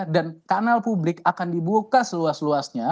dan kanal publik akan dibuka seluas luasnya